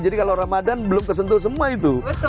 jadi kalau ramadhan belum kesentuh semua itu